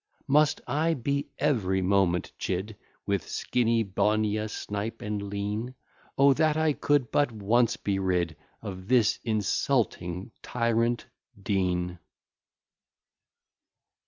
Must I be every moment chid With Skinnybonia, Snipe, and Lean? O! that I could but once be rid Of this insulting tyrant Dean!